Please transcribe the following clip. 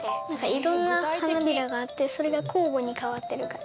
いろんな花びらがあってそれが交互に変わってる感じ。